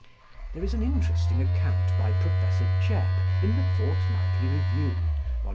There is an interesting account by Professor Jebb in the Fortnightly Review (Vol.